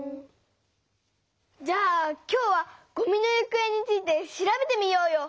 じゃあ今日は「ごみのゆくえ」について調べてみようよ！